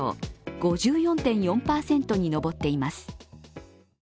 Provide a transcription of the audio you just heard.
５４．４％に上っています。